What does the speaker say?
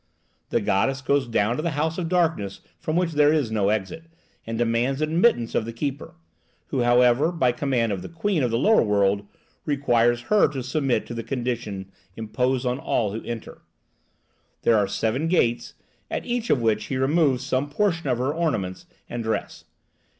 The goddess goes down to the house of darkness from which there is no exit, and demands admittance of the keeper; who, however, by command of the queen of the lower world, requires her to submit to the conditions imposed on all who enter. There are seven gates, at each of which he removes some portion of her ornaments and dress.